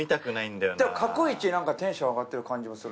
でも過去一テンション上がってる感じもするな。